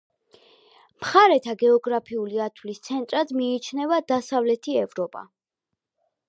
მხარეთა გეოგრაფიული ათვლის ცენტრად მიიჩნევა დასავლეთი ევროპა.